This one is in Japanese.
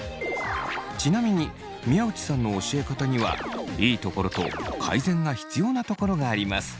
ちなみに宮内さんの教え方にはいいところと改善が必要なところがあります。